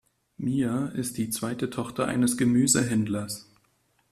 Mia ist die zweite Tochter eines Gemüsehändlers.